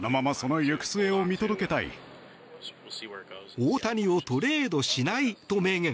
大谷をトレードしないと明言。